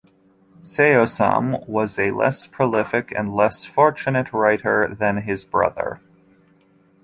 Seosamh was a less prolific and less fortunate writer than his brother.